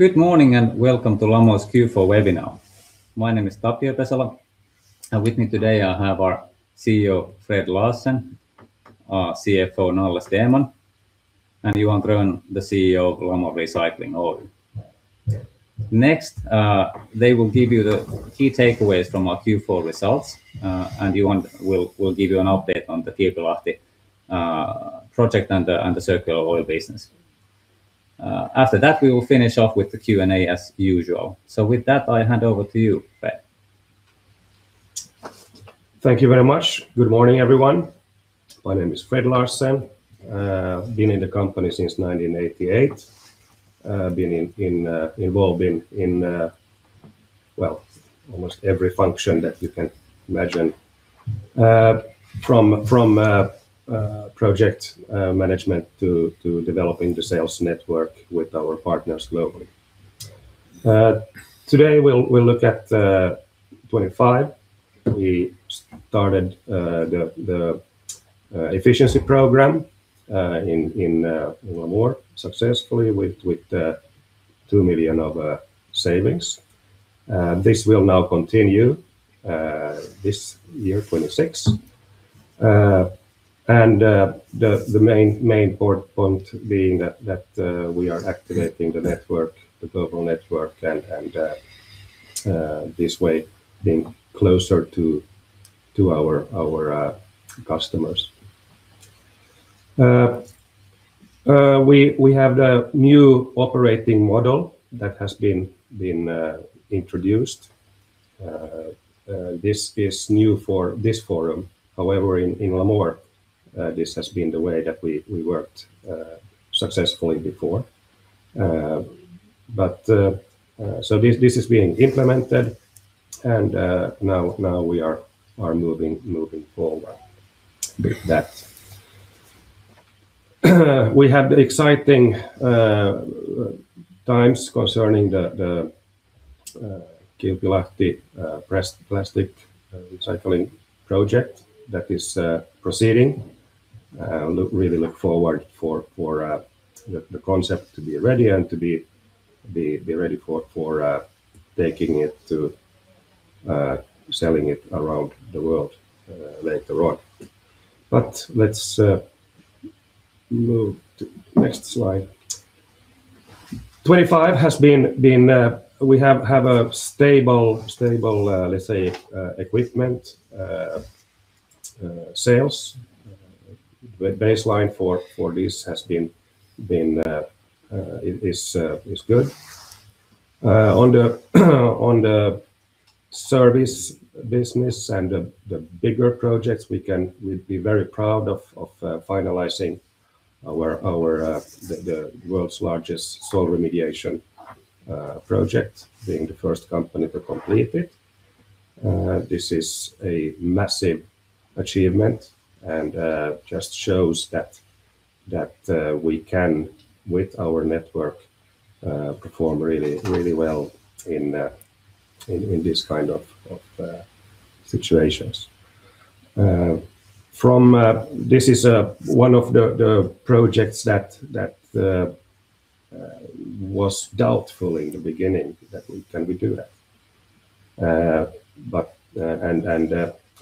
Good morning, and welcome to Lamor's Q4 webinar. My name is Tapio Pesola, and with me today, I have our CEO, Fred Larsen, our CFO, Nalle Stenman, and Johan Grön, the CEO of Lamor Recycling Oy. Next, they will give you the key takeaways from our Q4 results, and Johan will give you an update on the Kilpilahti project and the circular oil business. After that, we will finish off with the Q&A as usual. With that, I hand over to you, Fred. Thank you very much. Good morning, everyone. My name is Fred Larsen. Been in the company since 1988. Been involved in well, almost every function that you can imagine, from project management to developing the sales network with our partners globally. Today, we look at 2025. We started the efficiency program in Lamor successfully with 2 million of savings. This will now continue this year, 2026. The main important point being that we are activating the network, the global network, and this way, being closer to our customers. We have the new operating model that has been introduced. This is new for this forum. However, in Lamor, this has been the way that we worked successfully before. So this is being implemented, and now we are moving forward with that. We have exciting times concerning the Kilpilahti plastic recycling project that is proceeding. Look, really look forward for the concept to be ready and to be ready for taking it to selling it around the world later on. Let's move to next slide. 25 has been. We have a stable, let's say, equipment sales. Baseline for this has been, is good. On teh service business and the bigger projects, we'd be very proud of finalizing the world's largest soil remediation project, being the first company to complete it. This is a massive achievement and just shows that we can, with our network, perform really well in these kind of situations. This is one of the projects that was doubtful in the beginning that can we do that.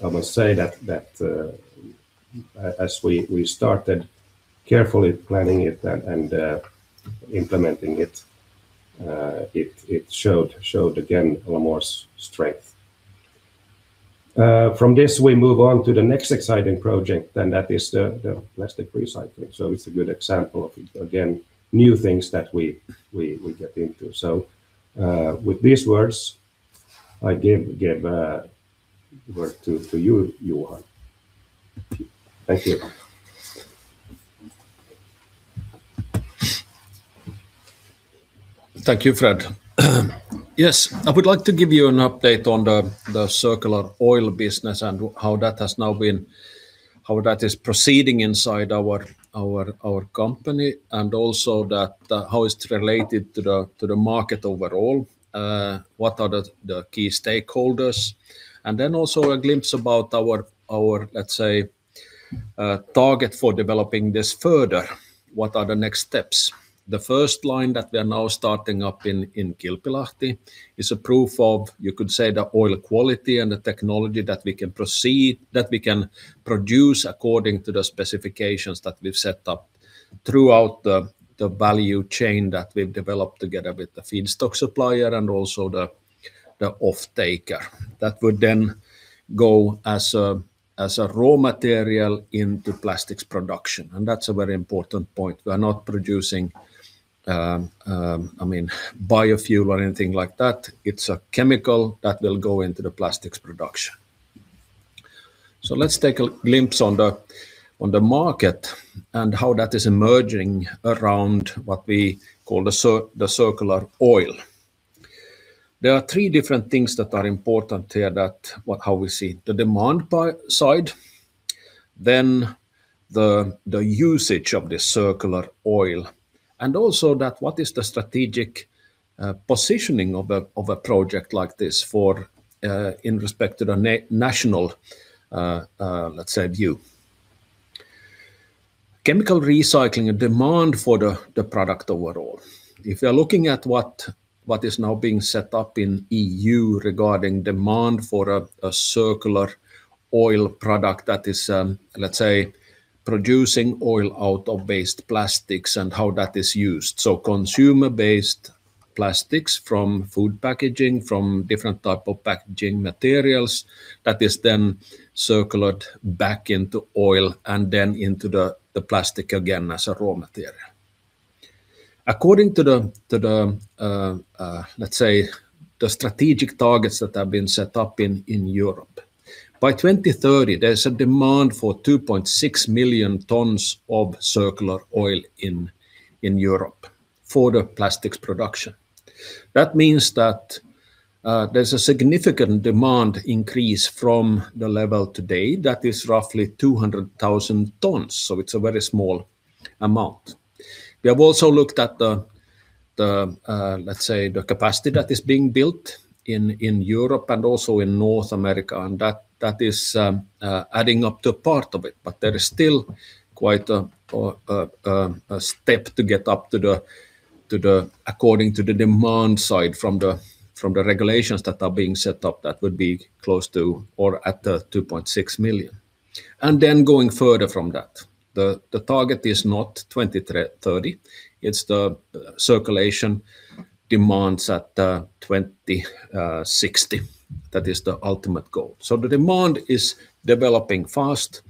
I must say that as we started carefully planning it and implementing it showed again Lamor's strength. From this, we move on to the next exciting project, and that is the plastic recycling. It's a good example of, again, new things that we get into. With these words, I give word for you, Johan. Thank you, Fred. Yes, I would like to give you an update on the circular oil business and how that has now been, how that is proceeding inside our company, and also that, how it's related to the market overall, what are the key stakeholders, and then also a glimpse about our, let's say, target for developing this further. What are the next steps? The first line that we are now starting up in Kilpilahti is a proof of, you could say, the oil quality and the technology that we can proceed, that we can produce according to the specifications that we've set up throughout the value chain that we've developed together with the feedstock supplier and also the off-taker. That would then go as a, as a raw material into plastics production. That's a very important point. We are not producing, I mean, biofuel or anything like that. It's a chemical that will go into the plastics production. Let's take a glimpse on the market and how that is emerging around what we call the circular oil. There are three different things that are important here, that what, how we see the demand side, then the usage of the circular oil, and also that, what is the strategic positioning of a project like this for in respect to the national let's say, view. chemical recycling, a demand for the product overall. If you are looking at what is now being set up in EU regarding demand for a circular oil product that is, let's say, producing oil out of waste plastics and how that is used. Consumer-based plastics from food packaging, from different type of packaging materials, that is then circular back into oil and then into the plastic again as a raw material. According to the, let's say, the strategic targets that have been set up in Europe, by 2030, there's a demand for 2.6 million tons of circular oil in Europe for the plastics production. That means that there's a significant demand increase from the level today that is roughly 200,000 tons, so it's a very small amount. We have also looked at the, let's say, the capacity that is being built in Europe and also in North America, and that is adding up to a part of it. There is still quite a step to get up to the, according to the demand side, from the, from the regulations that are being set up, that would be close to or at the 2.6 million. Then going further from that, the target is not 2030, it's the circulation demands at 2060. That is the ultimate goal. The demand is developing fast,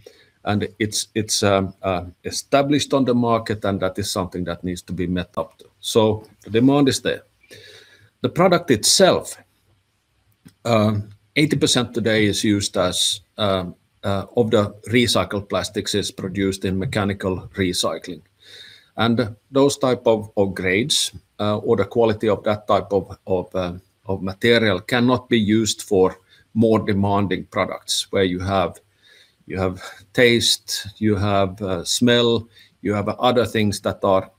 and it's established on the market, and that is something that needs to be met up to. The demand is there. The product itself, 80% today of the recycled plastics is produced in mechanical recycling. Those type of grades, or the quality of that type of material cannot be used for more demanding products, where you have taste, you have smell, you have other things that are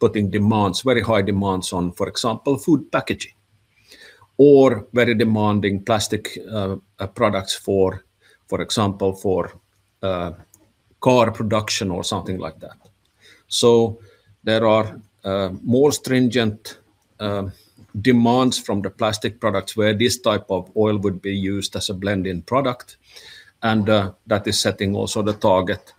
putting demands, very high demands on, for example, food packaging or very demanding plastic products for example, for car production or something like that. There are more stringent demands from the plastic products where this type of oil would be used as a blend in product, and that is setting also the target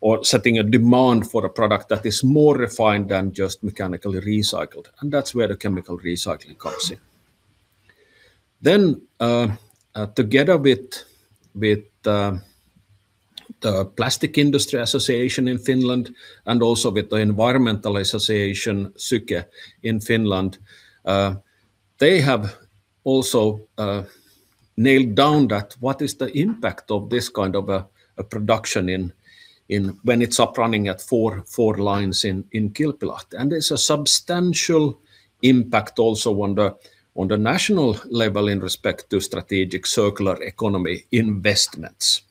or setting a demand for a product that is more refined than just mechanically recycled, and that's where the chemical recycling comes in. Together with the Finnish Plastics Industries Federation and also with the Environmental Association, SYKE, in Finland, they have also nailed down that what is the impact of this kind of a production in when it's up running at four lines in Kilpilahti. It's a substantial impact also on the national level in respect to strategic circular economy investments.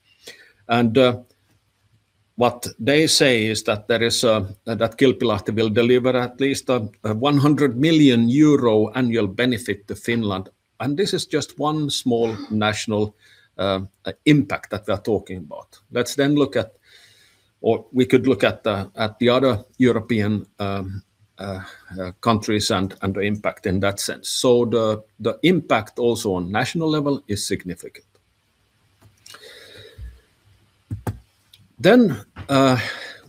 What they say is that there is that Kilpilahti will deliver at least a 100 million euro annual benefit to Finland, and this is just one small national impact that they're talking about. Or we could look at the other European countries and the impact in that sense. The impact also on national level is significant.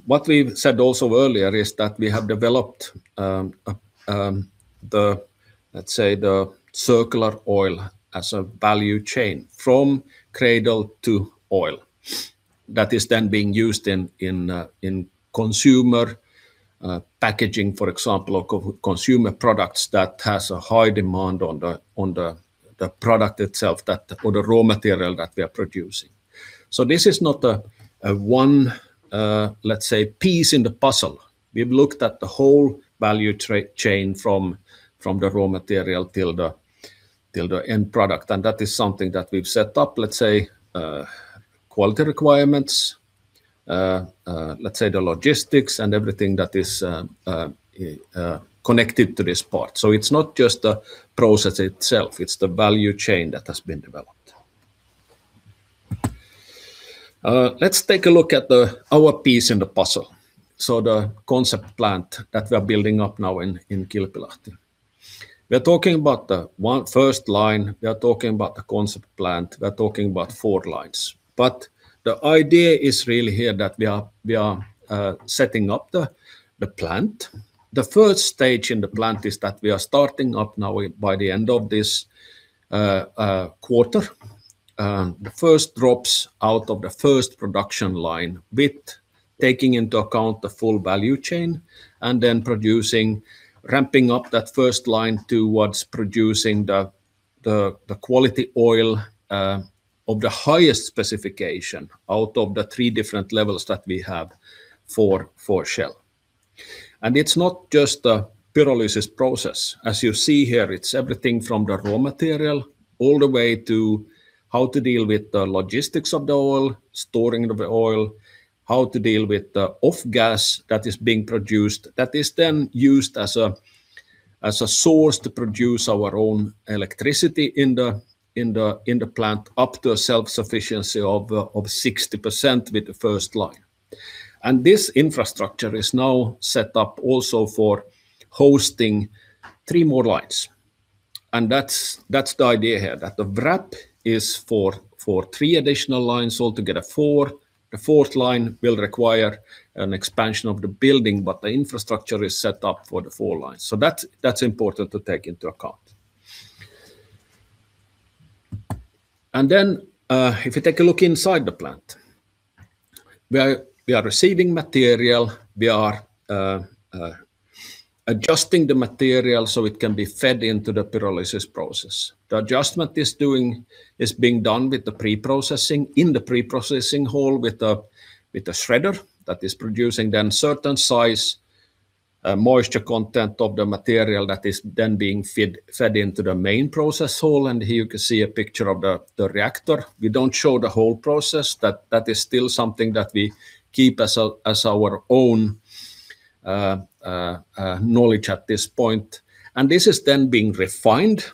What we've said also earlier is that we have developed, the, let's say, the circular oil as a value chain from cradle to oil, that is then being used in consumer packaging, for example, or consumer products, that has a high demand on the product itself, or the raw material that we are producing. This is not a one, let's say, piece in the puzzle. We've looked at the whole value chain from the raw material till the end product. That is something that we've set up, let's say, quality requirements, let's say, the logistics and everything that is connected to this part. It's not just the process itself, it's the value chain that has been developed. Let's take a look at the, our piece in the puzzle, so the concept plant that we are building up now in Kilpilahti. We're talking about the one, first line. We are talking about the concept plant. We're talking about four lines. The idea is really here that we are setting up the plant. The first stage in the plant is that we are starting up now by the end of this quarter. The first drops out of the first production line, with taking into account the full value chain and then producing, ramping up that first line towards producing the quality oil of the highest specification out of the three different levels that we have for Shell. It's not just a pyrolysis process. As you see here, it's everything from the raw material, all the way to how to deal with the logistics of the oil, storing the oil, how to deal with the off-gas that is being produced, that is then used as a source to produce our own electricity in the, in the, in the plant, up to a self-sufficiency of 60% with the first line. This infrastructure is now set up also for hosting three more lines, and that's the idea here, that the wrap is for three additional lines altogether. The 4th line will require an expansion of the building, but the infrastructure is set up for the 4 lines. That's, that's important to take into account. If you take a look inside the plant, we are receiving material, we are adjusting the material so it can be fed into the pyrolysis process. The adjustment is being done with the preprocessing, in the preprocessing hall, with the shredder that is producing then certain size, moisture content of the material that is then being fed into the main process hall, and here you can see a picture of the reactor. We don't show the whole process, that is still something that we keep as our own knowledge at this point. This is then being refined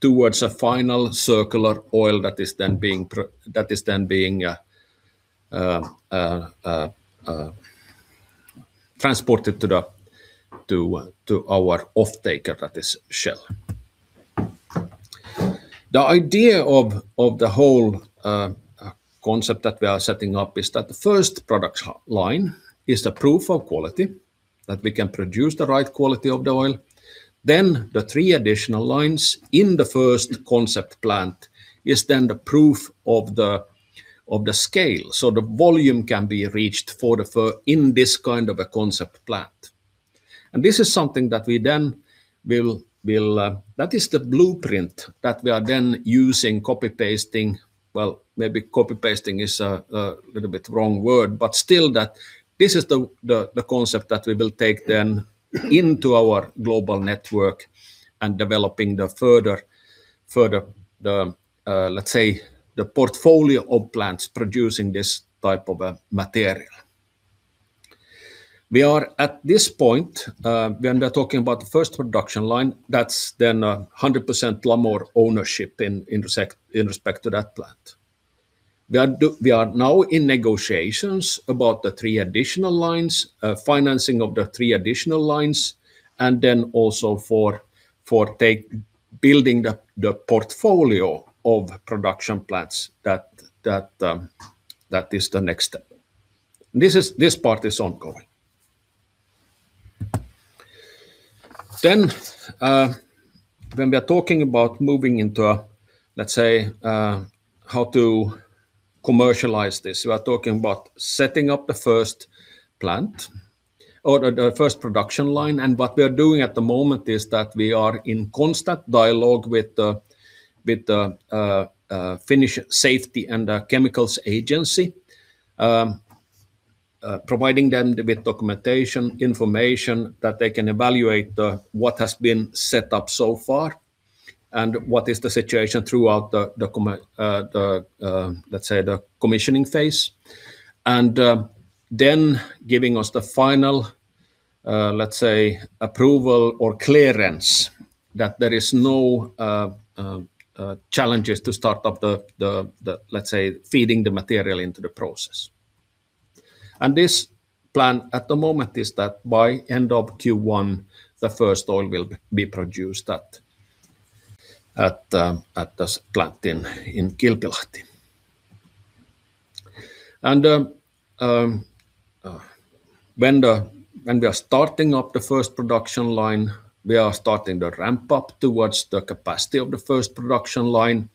towards a final circular oil that is then being transported to our off-taker, that is Shell. The idea of the whole concept that we are setting up is that the first production line is the proof of quality, that we can produce the right quality of the oil. The three additional lines in the first concept plant is then the proof of the scale, so the volume can be reached in this kind of a concept plant. This is something that we then will. That is the blueprint that we are then using, copy-pasting. Well, maybe copy-pasting is a little bit wrong word, but still that this is the concept that we will take then into our global network and developing the further, let's say, the portfolio of plants producing this type of material. We are at this point when we are talking about the first production line, that's then 100% Lamor ownership in respect to that plant. We are now in negotiations about the three additional lines, financing of the three additional lines, and also for building the portfolio of production plants, that is the next step. This is, this part is ongoing. When we are talking about moving into how to commercialize this, we are talking about setting up the first plant or the first production line. What we are doing at the moment is that we are in constant dialogue with the, with the Finnish Safety and Chemicals Agency, providing them with documentation, information that they can evaluate what has been set up so far and what is the situation throughout the let's say, the commissioning phase. Then giving us the final let's say, approval or clearance that there is no challenges to start up the let's say, feeding the material into the process. This plan at the moment is that by end of Q1, the first oil will be produced at this plant in Kilpilahti. When we are starting up the first production line, we are starting the ramp-up towards the capacity of the first production line.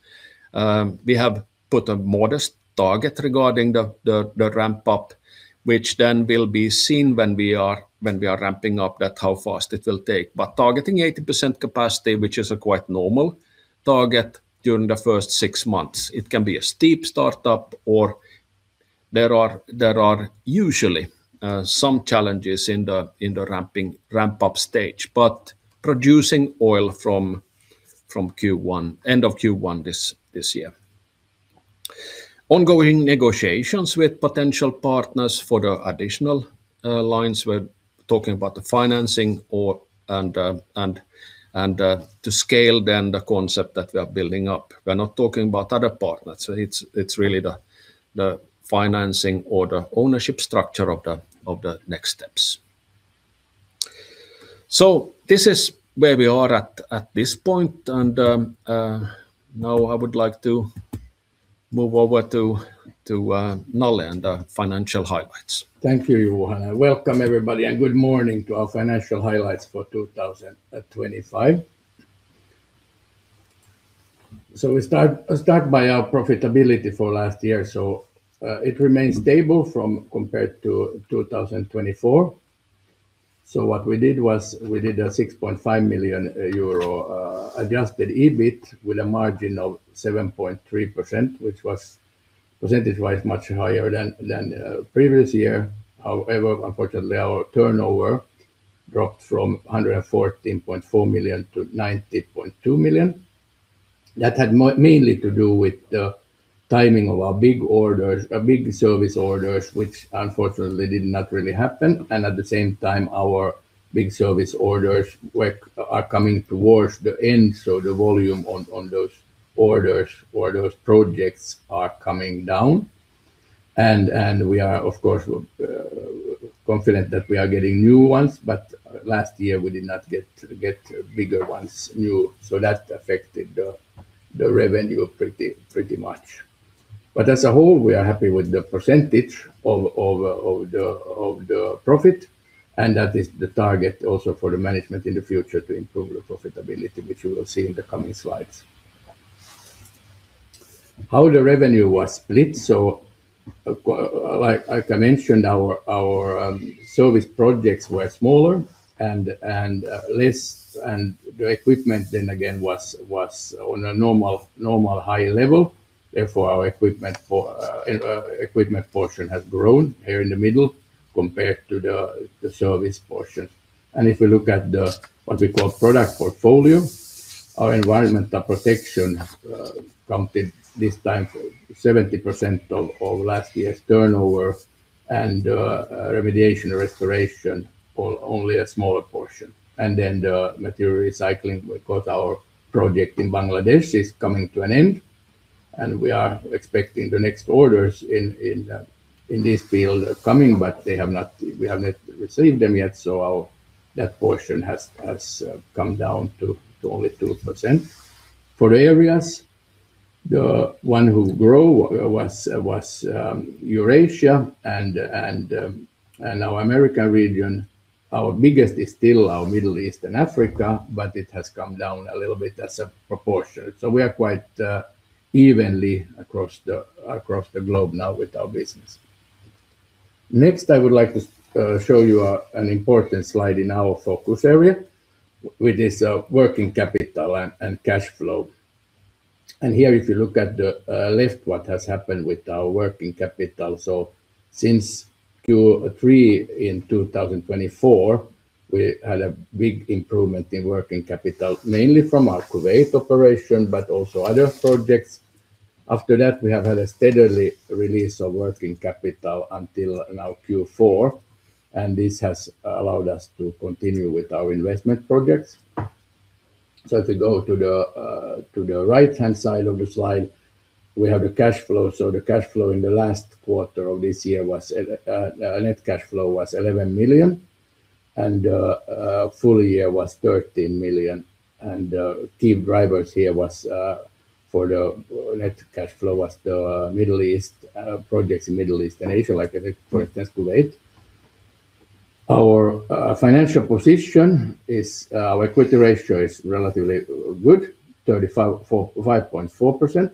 We have put a modest target regarding the ramp-up, which then will be seen when we are ramping up that, how fast it will take. Targeting 80% capacity, which is a quite normal target during the first six months, it can be a steep startup, or there are usually some challenges in the ramp-up stage, but producing oil from Q1, end of Q1, this year. Ongoing negotiations with potential partners for the additional lines. We're talking about the financing or, and to scale then the concept that we are building up. We're not talking about other partners, so it's really the financing or the ownership structure of the next steps. This is where we are at this point, and now I would like to move over to Nalle and the financial highlights. Thank you, Johan. Welcome, everybody, good morning to our financial highlights for 2025. We start by our profitability for last year. It remains stable from compared to 2024. What we did was we did a 6.5 million euro Adjusted EBIT with a margin of 7.3%, which was percentage-wise, much higher than previous year. However, unfortunately, our turnover dropped from 114.4 million-90.2 million. That had mainly to do with the timing of our big orders, our big service orders, which unfortunately did not really happen, and at the same time, our big service orders are coming towards the end, so the volume on those orders or those projects are coming down. We are, of course, confident that we are getting new ones, but last year we did not get bigger ones, new, that affected the revenue pretty much. As a whole, we are happy with the percentage of the profit, that is the target also for the management in the future to improve the profitability, which you will see in the coming slides. How the revenue was split? Like I mentioned, our service projects were smaller and less. The equipment then again, was on a normal high level, therefore, our equipment for equipment portion has grown here in the middle compared to the service portion. If we look at the, what we call product portfolio, our environmental protection counted this time 70% of last year's turnover, and remediation, restoration, only a smaller portion. The material recycling, because our project in Bangladesh is coming to an end, and we are expecting the next orders in this field coming, but we have not received them yet. That portion has come down to only 2%. For areas, the one who grow was Eurasia and our America region. Our biggest is still our Middle East and Africa, but it has come down a little bit as a proportion. We are quite evenly across the globe now with our business. Next, I would like to show you an important slide in our focus area, which is working capital and cash flow. Here, if you look at the left, what has happened with our working capital. Since Q3 in 2024, we had a big improvement in working capital, mainly from our Kuwait operation, but also other projects. After that, we have had a steadily release of working capital until now, Q4, and this has allowed us to continue with our investment projects. If we go to the right-hand side of the slide, we have the cash flow. The cash flow in the last quarter of this year was net cash flow was 11 million, and full year was 13 million. Key drivers here was for the net cash flow was the Middle East projects in Middle East and Asia, like, for instance, Kuwait. Our financial position is our equity ratio is relatively good, 35.4%.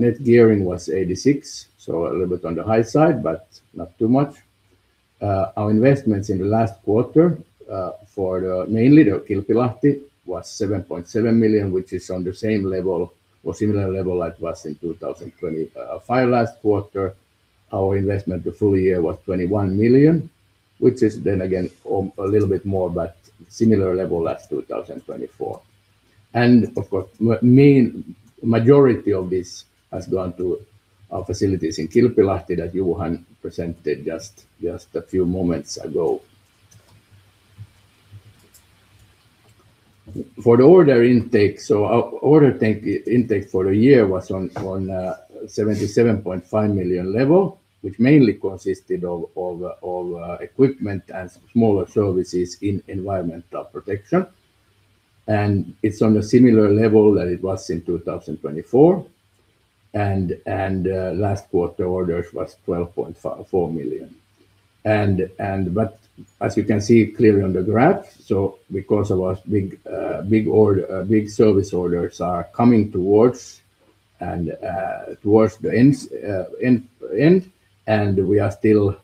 Net gearing was 86, so a little bit on the high side, but not too much. Our investments in the last quarter for the mainly the Kilpilahti, was 7.7 million, which is on the same level or similar level like was in 2020. Five last quarter, our investment, the full year was 21 million, which is then again a little bit more, but similar level as 2024. Of course, what majority of this has gone to our facilities in Kilpilahti that Johan presented just a few moments ago. For the order intake, our order intake for the year was on 77.5 million level, which mainly consisted of equipment and smaller services in environmental protection, and it's on a similar level that it was in 2024. Last quarter, orders was 12.4 million. As you can see clearly on the graph, because of our big order, big service orders are coming towards the end. We are still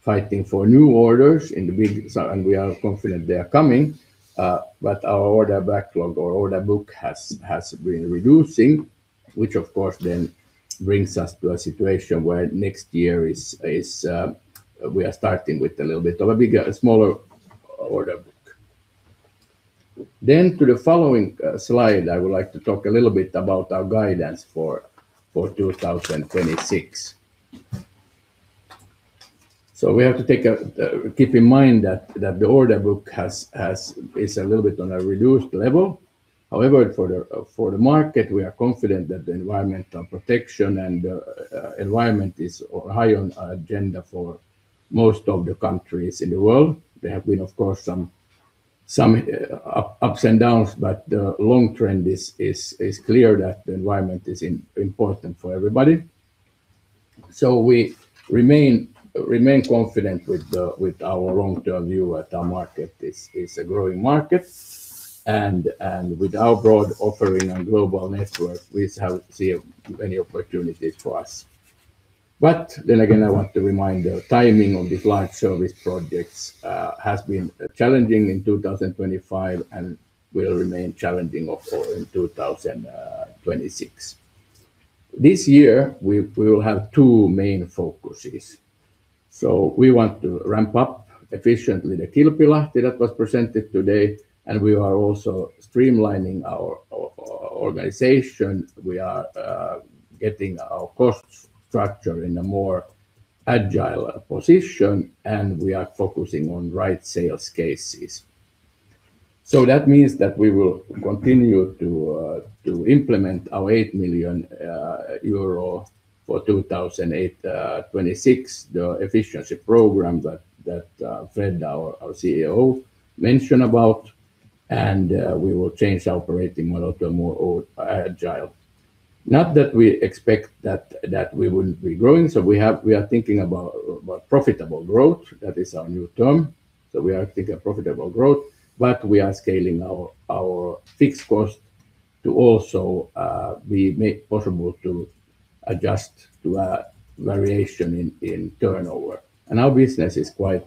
fighting for new orders in the big. We are confident they are coming. Our order backlog or order book has been reducing, which of course brings us to a situation where next year is, we are starting with a little bit of a bigger, smaller order book. To the following slide, I would like to talk a little bit about our guidance for 2026. We have to Keep in mind that the order book has, is a little bit on a reduced level. For the market, we are confident that the environmental protection and environment is high on our agenda for most of the countries in the world. There have been, of course, some ups and downs, but the long trend is clear that the environment is important for everybody. We remain confident with our long-term view that our market is a growing market, and with our broad offering and global network, we have see many opportunities for us. Then again, I want to remind the timing of these large service projects has been challenging in 2025 and will remain challenging in 2026. This year, we will have two main focuses. We want to ramp up efficiently the Kilpilahti that was presented today, we are also streamlining our organization. We are getting our cost structure in a more agile position, we are focusing on right sales cases. That means that we will continue to implement our 8 million euro for 2026, the efficiency program that Fred, our CEO, mentioned about, we will change the operating model to a more agile. Not that we expect that we will be growing, we are thinking about profitable growth. That is our new term. We are thinking of profitable growth, we are scaling our fixed cost to also we make possible to adjust to a variation in turnover. Our business is quite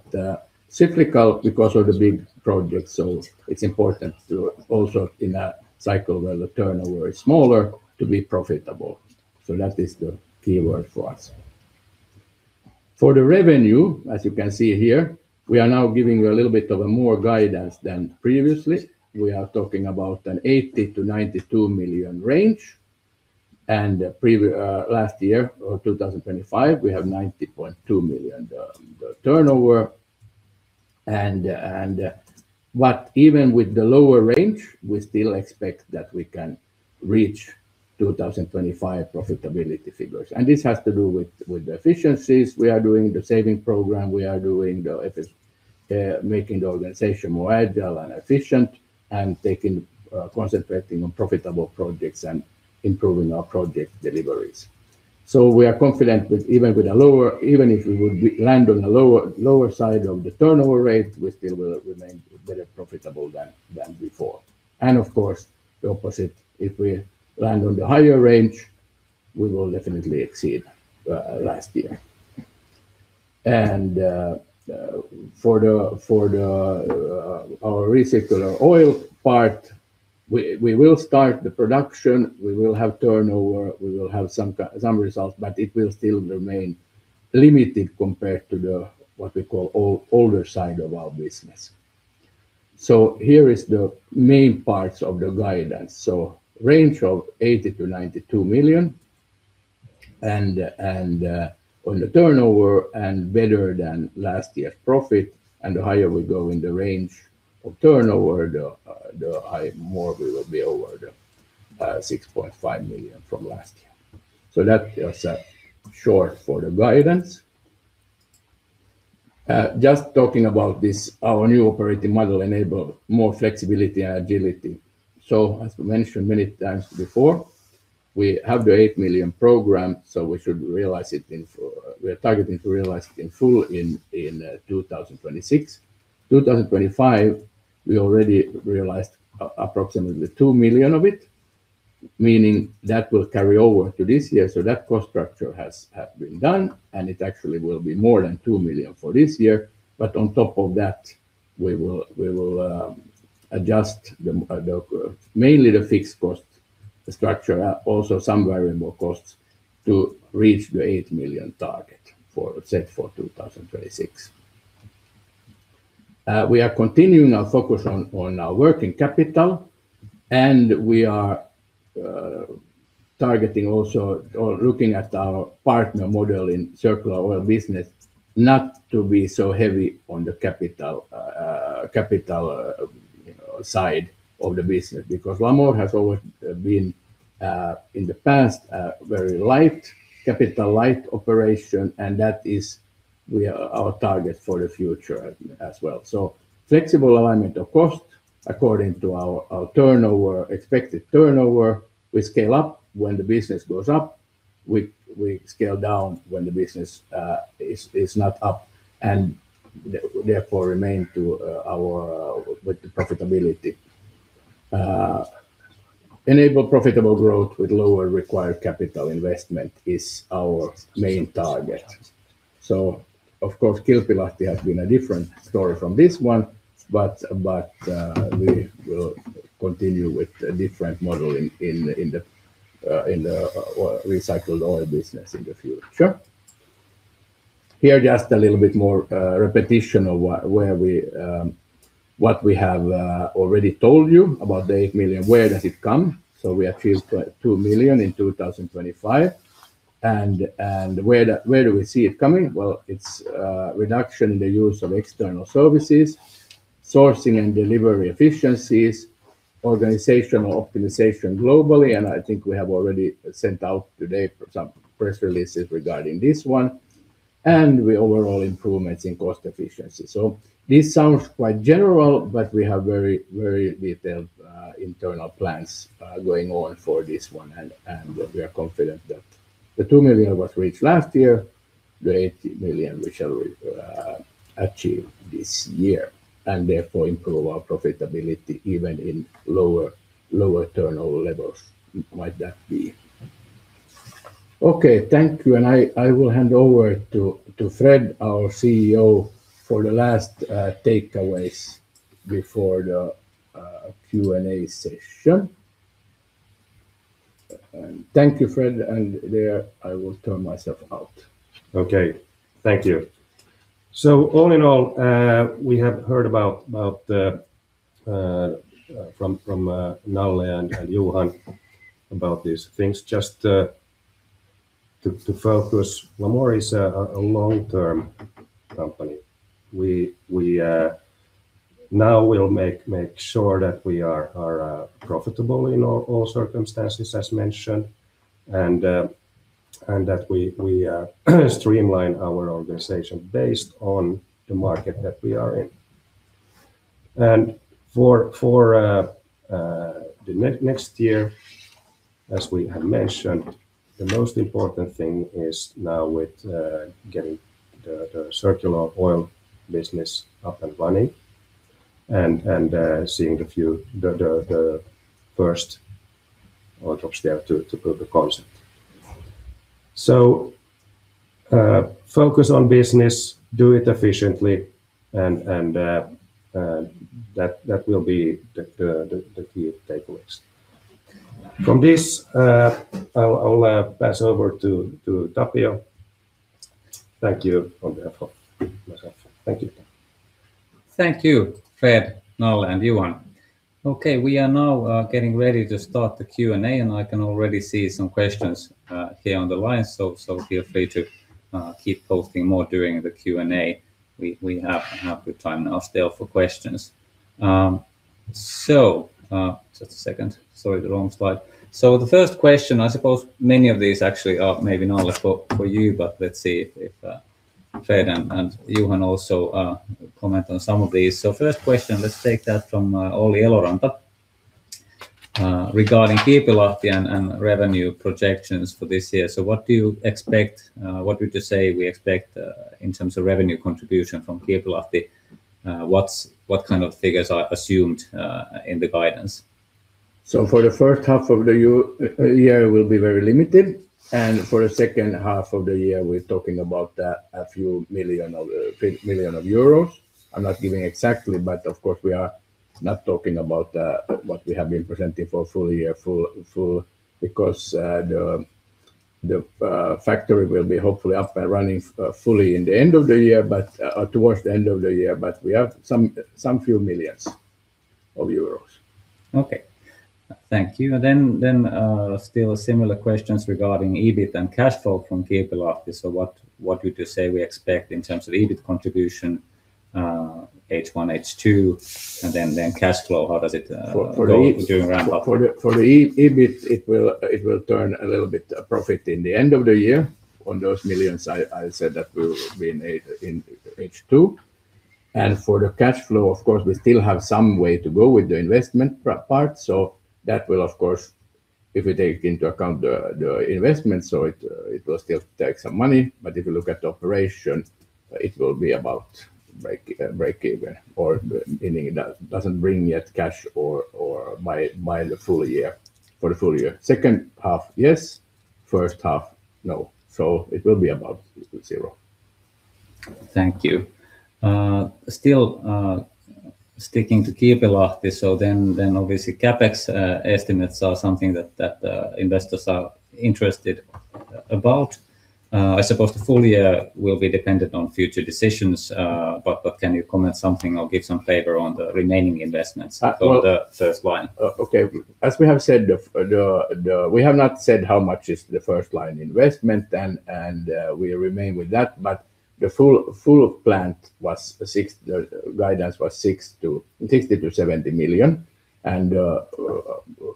cyclical because of the big projects, so it's important to also in a cycle where the turnover is smaller to be profitable. That is the keyword for us. For the revenue, as you can see here, we are now giving you a little bit of a more guidance than previously. We are talking about an 80 million-92 million range, last year, or 2025, we have 90.2 million turnover. Even with the lower range, we still expect that we can reach 2025 profitability figures. This has to do with the efficiencies we are doing, the saving program we are doing, making the organization more agile and efficient, concentrating on profitable projects and improving our project deliveries. We are confident with even with a lower. Even if we would land on the lower side of the turnover rate, we still will remain better profitable than before. Of course, the opposite, if we land on the higher range, we will definitely exceed last year. For the, for the, our recycled oil part, we will start the production, we will have turnover, we will have some results, but it will still remain limited compared to the, what we call older side of our business. Here is the main parts of the guidance. Range of 80 million-92 million on the turnover and better than last year's profit, and the higher we go in the range of turnover, the more we will be over the 6.5 million from last year. That was short for the guidance. Just talking about this, our new operating model enable more flexibility and agility. As we mentioned many times before, we have the 8 million program, so we should realize it in full. We are targeting to realize it in full in 2026. 2025, we already realized approximately 2 million of it, meaning that will carry over to this year. That cost structure has been done, and it actually will be more than 2 million for this year. On top of that, we will adjust mainly the fixed cost structure, also some variable costs, to reach the 8 million target set for 2026. We are continuing our focus on our working capital, and we are targeting also or looking at our partner model in circular oil business, not to be so heavy on the capital, you know, side of the business, because Lamor has always been in the past, a very light, capital light operation, and that is we are our target for the future as well. Flexible alignment of cost according to our turnover, expected turnover. We scale up when the business goes up, we scale down when the business is not up, therefore, remain to our with the profitability. Enable profitable growth with lower required capital investment is our main target. Of course, Kilpilahti has been a different story from this one, but we will continue with a different model in the recycled oil business in the future. Here, just a little bit more repetition of where we... What we have already told you about the 8 million. Where does it come? We achieved 2 million in 2025, and where do we see it coming? Well, it's reduction in the use of external services, sourcing and delivery efficiencies, organizational optimization globally, and I think we have already sent out today some press releases regarding this one, and we overall improvements in cost efficiency. This sounds quite general, but we have very, very detailed internal plans going on for this one, and we are confident that the 2 million was reached last year, the 8 million we shall achieve this year, and therefore improve our profitability even in lower turnover levels, might that be. Okay, thank you, and I will hand over to Fred, our CEO, for the last takeaways before the Q&A session. Thank you, Fred, and there I will turn myself out. Okay, thank you. All in all, we have heard about from Nalle and Johan about these things. Just to focus, Lamor is a long-term company. We. Now we'll make sure that we are profitable in all circumstances, as mentioned, and that we streamline our organization based on the market that we are in. For next year, as we have mentioned, the most important thing is now with getting the circular oil business up and running and seeing the first oil drops there to prove the concept. Focus on business, do it efficiently, and that will be the key takeaways. From this, I'll pass over to Tapio. Thank you for the effort. Thank you. Thank you, Fred, Nalle, and Johan. Okay, we are now getting ready to start the Q&A, and I can already see some questions here on the line, so feel free to keep posting more during the Q&A. We have good time now still for questions. Just a second. Sorry, the wrong slide. The first question, I suppose many of these actually are maybe, Nalle, for you, but let's see if Fred and Johan also comment on some of these. First question, let's take that from Olli Eloranta regarding Kilpilahti and revenue projections for this year. What do you expect, what would you say we expect in terms of revenue contribution from Kilpilahti? What kind of figures are assumed in the guidance? For the first half of the year will be very limited, and for the second half of the year, we're talking about a few million EUR. I'm not giving exactly, but of course, we are not talking about what we have been presenting for full year. The factory will be hopefully up and running fully in the end of the year, but towards the end of the year, but we have some few million EUR. Okay. Thank you. Still similar questions regarding EBIT and cash flow from Kilpilahti. What would you say we expect in terms of EBIT contribution, H1, H2, and then cash flow, how does it…? For. during ramp up? For the EBIT, it will turn a little bit profit in the end of the year on those millions I said that will be made in H2. For the cash flow, of course, we still have some way to go with the investment part, so that will, of course, if you take into account the investment, it will still take some money, but if you look at the operation, it will be about break even, or meaning it doesn't bring yet cash or for the full year. Second half, yes; first half, no. It will be about zero. Thank you. Still, sticking to Kilpilahti, then obviously CapEx estimates are something that investors are interested about. I suppose the full year will be dependent on future decisions, but can you comment something or give some flavor on the remaining investments? Uh, well- on the first line? Okay. As we have said, We have not said how much is the first line investment, and we remain with that, but the full plant was the guidance was 60 million-70 million, and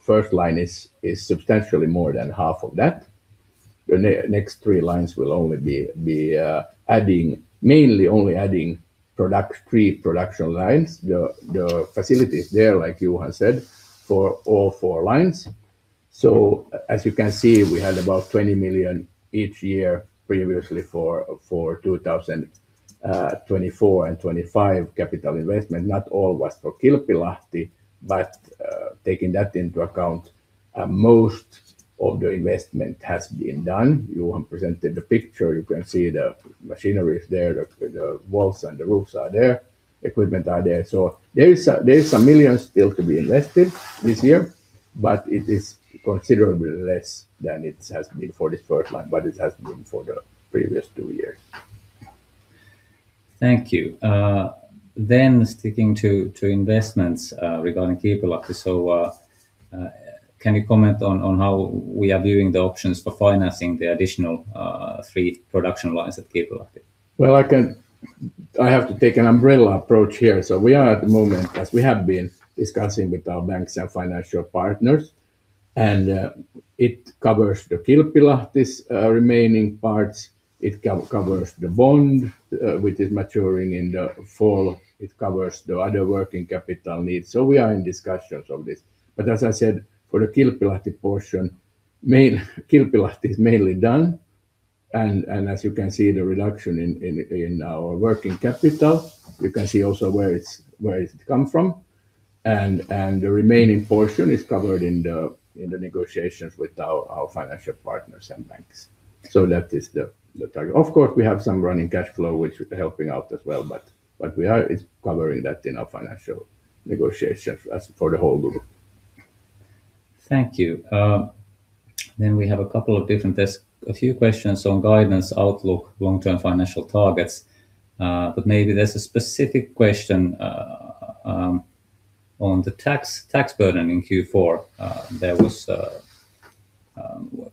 first line is substantially more than half of that. Next three lines will only be adding, mainly only adding product, three production lines. The facilities there, like Johan said, for all four lines. As you can see, we had about 20 million each year previously for 2024 and 2025 capital investment. Not all was for Kilpilahti, but taking that into account, most of the investment has been done. Johan presented the picture. You can see the machinery is there, the walls and the roofs are there, equipment are there. There is some millions still to be invested this year, but it is considerably less than it has been for this first line, what it has been for the previous two years. Thank you. Sticking to investments, regarding Kilpilahti, can you comment on how we are viewing the options for financing the additional 3 production lines at Kilpilahti? I have to take an umbrella approach here. We are at the moment, as we have been discussing with our banks and financial partners, and it covers the Kilpilahti's remaining parts, it covers the bond, which is maturing in the fall, it covers the other working capital needs. We are in discussions on this. But as I said, for the Kilpilahti portion, Kilpilahti is mainly done, and as you can see, the reduction in our working capital, you can see also where it's come from, and the remaining portion is covered in the negotiations with our financial partners and banks. That is the target. Of course, we have some running cash flow, which is helping out as well, but we are covering that in our financial negotiations as for the whole group. Thank you. We have a couple of there's a few questions on guidance, outlook, long-term financial targets, but maybe there's a specific question on the tax burden in Q4.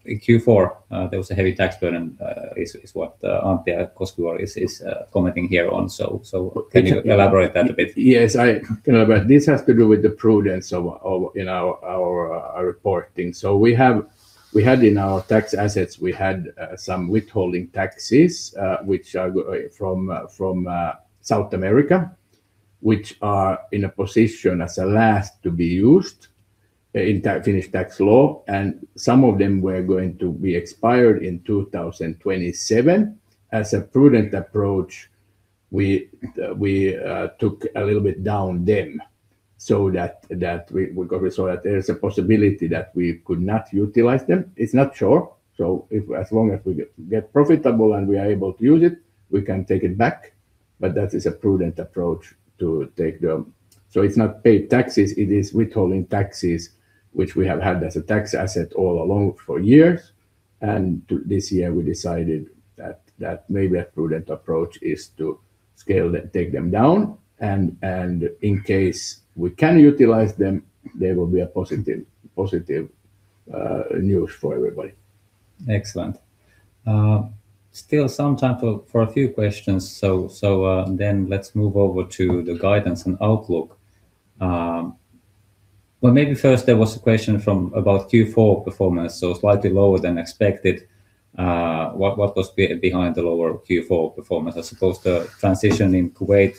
In Q4, there was a heavy tax burden, is what Antti Koskinen is commenting here on. Can you elaborate that a bit? Yes, you know, this has to do with the prudence of, you know, our reporting. We had in our tax assets, we had some withholding taxes, which are from South America, which are in a position as a last to be used in Finnish tax law, and some of them were going to be expired in 2027. As a prudent approach, we took a little bit down them so that we, because we saw that there is a possibility that we could not utilize them. It's not sure. As long as we get profitable and we are able to use it, we can take it back, but that is a prudent approach to take them. It's not paid taxes, it is withholding taxes, which we have had as a tax asset all along for years, this year, we decided that that may be a prudent approach is to scale them, take them down, and in case we can utilize them, they will be a positive news for everybody. Excellent. Still some time for a few questions, so, then let's move over to the guidance and outlook. Well, maybe first there was a question about Q4 performance, so slightly lower than expected. What was behind the lower Q4 performance? I suppose the transition in Kuwait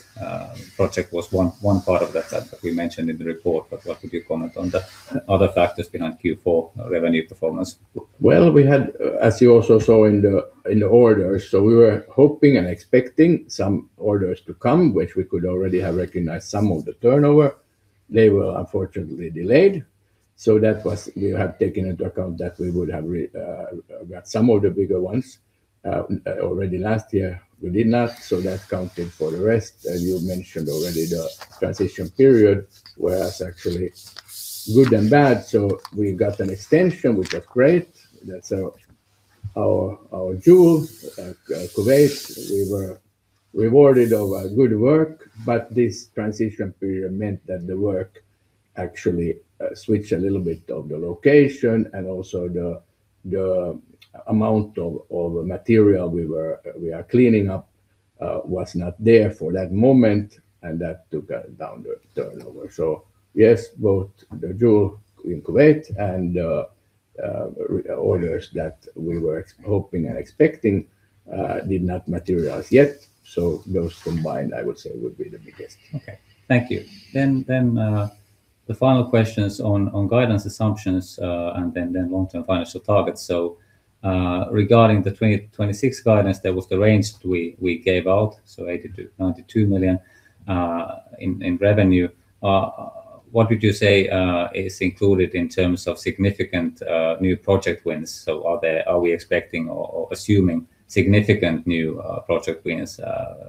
project was one part of that that we mentioned in the report, but what would you comment on the other factors behind Q4 revenue performance? Well, we had, as you also saw in the, in the orders, we were hoping and expecting some orders to come, which we could already have recognized some of the turnover. They were unfortunately delayed. We have taken into account that we would have got some of the bigger ones already last year. We did not, so that counted for the rest. You mentioned already the transition period was actually good and bad. We got an extension, which was great. That's our jewel, Kuwait. We were rewarded of our good work, but this transition period meant that the work actually switched a little bit of the location and also the amount of material we are cleaning up was not there for that moment, and that took down the turnover. Yes, both the jewel in Kuwait and the orders that we were hoping and expecting did not materialize yet. Those combined, I would say, would be the biggest. Okay. The final questions on guidance assumptions, then long-term financial targets. Regarding the 2026 guidance, there was the range we gave out, 80 million-92 million in revenue. What would you say is included in terms of significant new project wins? Are we expecting or assuming significant new project wins,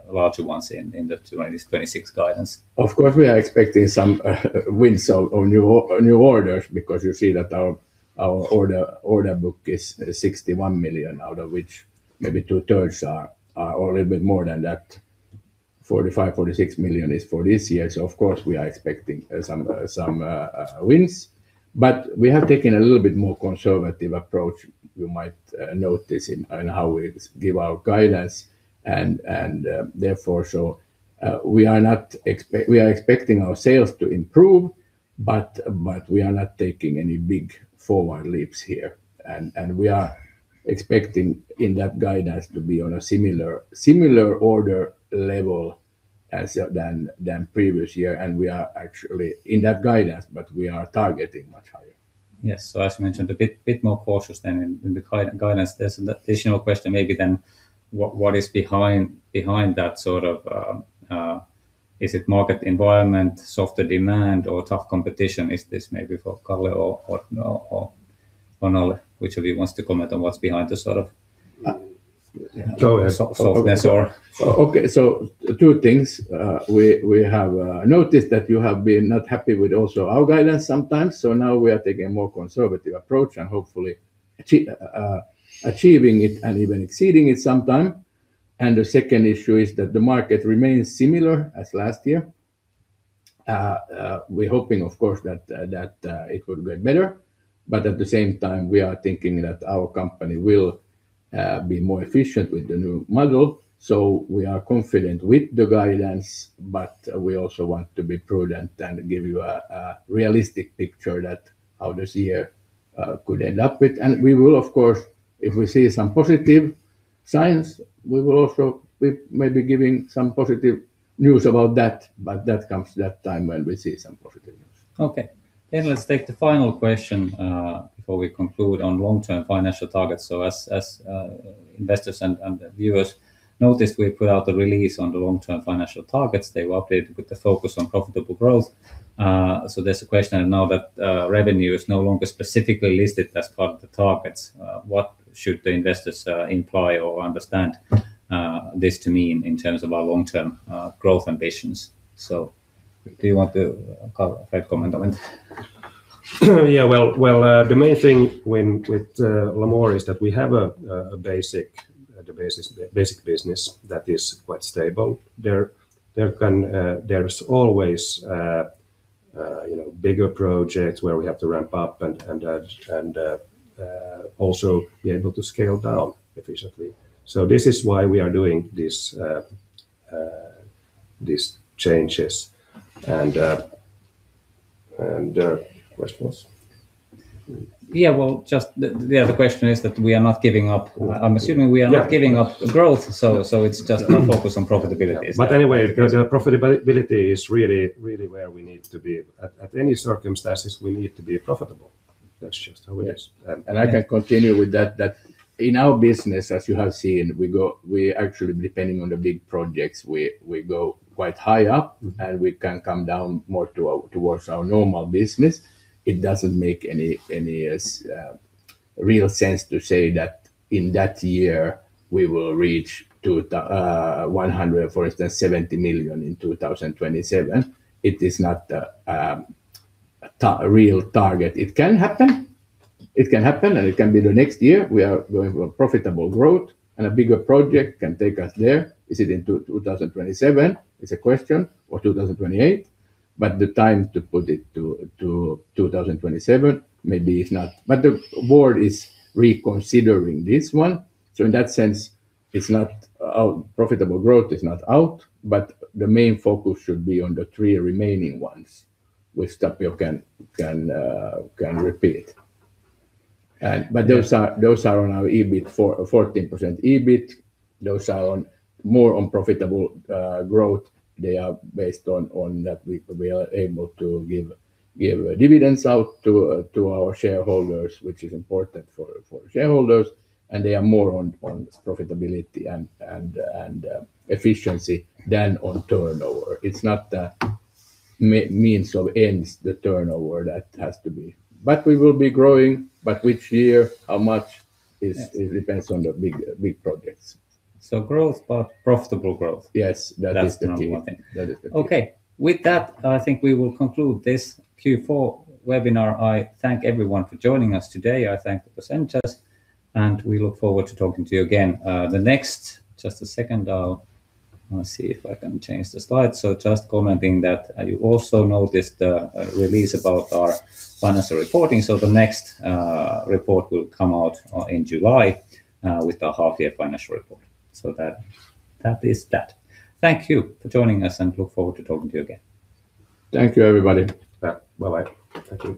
larger ones in the 2026 guidance? Of course, we are expecting some wins or new orders because you see that our order book is 61 million, out of which maybe two-thirds are a little bit more than that. 45 million, 46 million is for this year, so of course, we are expecting some wins. We have taken a little bit more conservative approach, you might notice in how we give our guidance, and therefore, we are expecting our sales to improve, but we are not taking any big forward leaps here. We are expecting in that guidance to be on a similar order level as than previous year, and we are actually in that guidance, but we are targeting much higher. Yes. As mentioned, a bit more cautious than in guidance. There's an additional question maybe then, what is behind that sort of... Is it market environment, softer demand, or tough competition? Is this maybe for Nalle? Whichever wants to comment on what's behind the sort of... Go ahead. softer sore. Okay, two things. we have noticed that you have been not happy with also our guidance sometimes, now we are taking a more conservative approach, and hopefully achieving it and even exceeding it sometime. The second issue is that the market remains similar as last year. we're hoping, of course, that it would get better, but at the same time, we are thinking that our company will be more efficient with the new model. We are confident with the guidance, but we also want to be prudent and give you a realistic picture that how this year could end up with. We will, of course, if we see some positive signs, we will also be maybe giving some positive news about that, but that comes that time when we see some positive news. Let's take the final question, before we conclude, on long-term financial targets. As investors and viewers noticed, we put out the release on the long-term financial targets. They were updated with the focus on profitable growth. There's a question, and now that revenue is no longer specifically listed as part of the targets, what should the investors imply or understand this to mean in terms of our long-term growth ambitions? Do you want to, Nalle, comment on it? Yeah, well, the main thing when, with Lamor is that we have a basic business that is quite stable. There's always, you know, bigger projects where we have to ramp up and, also be able to scale down efficiently. This is why we are doing this, these changes. Questions? Yeah, well, just the other question is that we are not giving up. I'm assuming we are not giving up growth. Yeah. It's just more focus on profitability. Anyway, because the profitability is really, really where we need to be. At any circumstances, we need to be profitable. That's just how it is. I can continue with that in our business, as you have seen, we actually, depending on the big projects, we go quite high up. Mm. We can come down more to our, towards our normal business. It doesn't make any real sense to say that in that year, we will reach to the 170 million, for instance, in 2027. It is not the real target. It can happen. It can happen, and it can be the next year. We are going for profitable growth, and a bigger project can take us there. Is it in 2027? It's a question, or 2028. The time to put it to 2027, maybe it's not... The board is reconsidering this one. In that sense, it's not out... Profitable growth is not out, the main focus should be on the three remaining ones, which Tapio can repeat. Those are on our EBIT for 14% EBIT. Those are on more profitable growth. They are based on that we are able to give dividends out to our shareholders, which is important for shareholders, and they are more on profitability and efficiency than on turnover. It's not the means of ends, the turnover that has to be. We will be growing, but which year, how much, is- Yes. It depends on the big, big projects. Growth, but profitable growth? Yes, that is the key. That's the number one thing. That is the key. Okay. With that, I think we will conclude this Q4 webinar. I thank everyone for joining us today. I thank the presenters, and we look forward to talking to you again. The next... Just a second, I'll... Let's see if I can change the slide. Just commenting that you also noticed the release about our financial reporting. The next report will come out in July with the half-year financial report. That is that. Thank you for joining us, and look forward to talking to you again. Thank you, everybody. Yeah. Bye-bye. Thank you.